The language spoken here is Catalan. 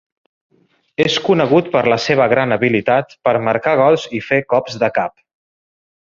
És conegut per la seva gran habilitat per marcar gols i fer cops de cap.